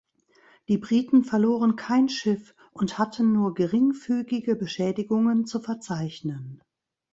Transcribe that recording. Die Briten verloren kein Schiff und hatten nur geringfügige Beschädigungen zu verzeichnen.